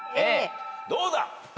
どうだ？